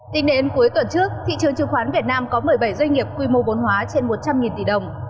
tính đến cuối tuần trước thị trường chứng khoán việt nam có một mươi bảy doanh nghiệp quy mô vốn hóa trên một trăm linh tỷ đồng